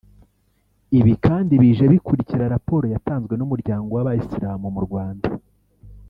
Ibi kandi bije bikurikira raporo yatanzwe n’umuryango w’abayisilamu mu Rwanda